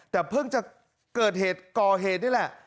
แต่เพิ่งจะเกิดเหตุก่อเหตุนี่แหละ